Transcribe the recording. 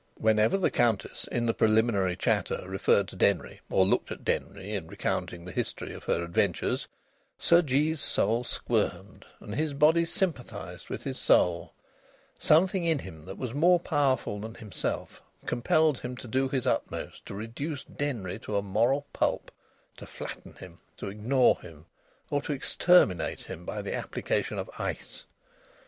Whenever the Countess, in the preliminary chatter, referred to Denry or looked at Denry, in recounting the history of her adventures, Sir Jee's soul squirmed, and his body sympathised with his soul. Something in him that was more powerful than himself compelled him to do his utmost to reduce Denry to a moral pulp, to flatten him, to ignore him, or to exterminate him by the application of ice.